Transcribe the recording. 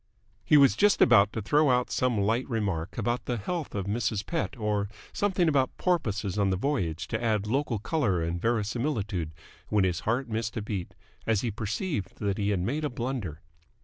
He was just about to throw out some light remark about the health of Mrs. Pett or something about porpoises on the voyage to add local colour and verisimilitude, when his heart missed a beat, as he perceived that he had made a blunder.